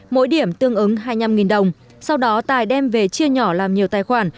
mỗi điểm tương ứng hai mươi năm đồng sau đó tài đem về chia nhỏ làm nhiều tài khoản